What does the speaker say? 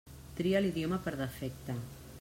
Tria l'idioma per defecte.